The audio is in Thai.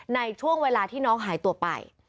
ในช่วงเวลาที่น้องหายตัวไป